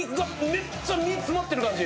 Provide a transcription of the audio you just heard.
めっちゃ詰まってる感じ。